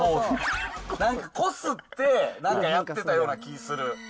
なんか、こすって、なんかやってたような気する。